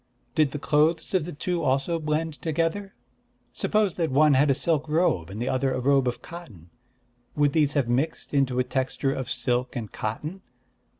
Did the clothes of the two also blend together? Suppose that one had a silk robe and the other a robe of cotton, would these have mixed into a texture of silk and cotton?